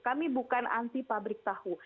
kami bukan anti pabrik tahu